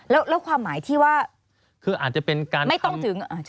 แล้วความหมายที่ว่าไม่ต้องถึง